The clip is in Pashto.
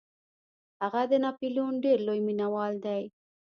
هغه د ناپلیون ډیر لوی مینوال دی.